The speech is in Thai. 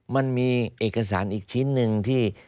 มันมีเอกสารอีกชิ้นหนึ่งที่